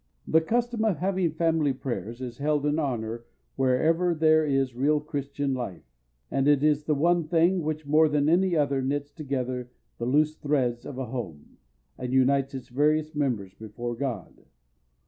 The custom of having family prayers is held in honor wherever there is real Christian life, and it is the one thing which more than any other knits together the loose threads of a home, and unites its various members before God.